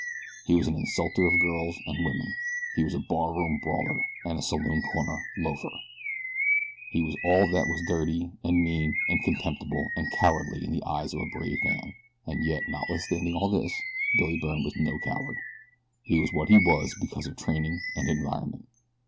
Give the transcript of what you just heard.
He was an insulter of girls and women. He was a bar room brawler, and a saloon corner loafer. He was all that was dirty, and mean, and contemptible, and cowardly in the eyes of a brave man, and yet, notwithstanding all this, Billy Byrne was no coward. He was what he was because of training and environment.